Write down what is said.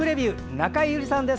中江有里さんです。